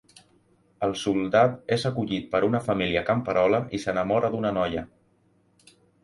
El soldat és acollit per una família camperola i s'enamora d'una noia.